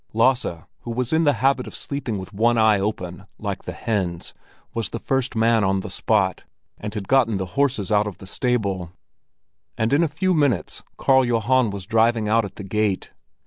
Lasse, who was in the habit of sleeping with one eye open, like the hens, was the first man on the spot, and had got the horses out of the stable; and in a few minutes Karl Johan was driving out at the gate.